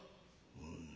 「うん。